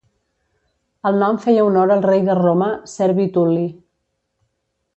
El nom feia honor al rei de Roma Servi Tul·li.